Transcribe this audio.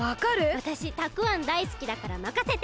わたしたくあんだいすきだからまかせて！